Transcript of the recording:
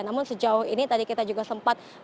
namun sejauh ini tadi kita juga sempat